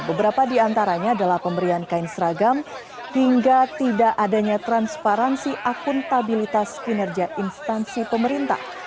beberapa di antaranya adalah pemberian kain seragam hingga tidak adanya transparansi akuntabilitas kinerja instansi pemerintah